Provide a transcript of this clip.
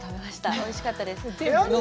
おいしかったです。